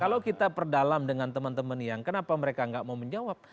kalau kita perdalam dengan teman teman yang kenapa mereka nggak mau menjawab